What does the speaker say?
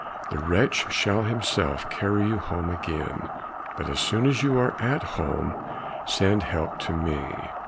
The wretch shall himself carry you home again, but as soon as you are at home send help to me."